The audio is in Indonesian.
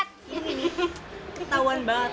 ini nih ketauan banget